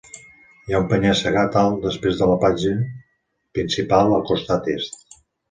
Hi ha un penya-segat alt després de la platja principal al costat est.